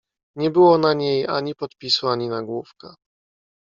"Nie było na niej ani podpisu ani nagłówka."